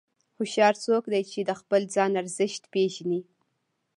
هوښیار څوک دی چې د خپل ځان ارزښت پېژني.